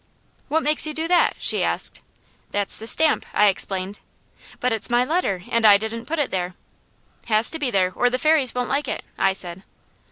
"What makes you do that?" she asked. "That's the stamp," I explained. "But it's my letter, and I didn't put it there." "Has to be there or the Fairies won't like it," I said.